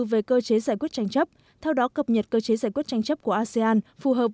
về cơ chế giải quyết tranh chấp theo đó cập nhật cơ chế giải quyết tranh chấp của asean phù hợp